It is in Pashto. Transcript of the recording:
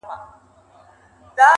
هر منزل د زحمت غوښتنه کوي؛